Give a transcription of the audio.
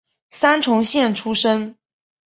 三重县出身。